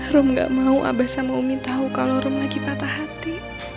rom gak mau abah sama omin tahu kalau rom lagi patah hati